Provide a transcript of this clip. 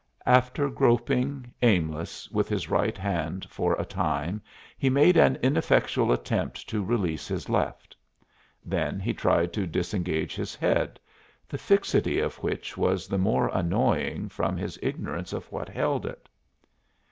After groping, aimless, with his right hand for a time he made an ineffectual attempt to release his left. Then he tried to disengage his head, the fixity of which was the more annoying from his ignorance of what held it.